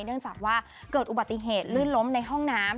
เนื่องจากว่าเกิดอุบัติเหตุลื่นล้มในห้องน้ำ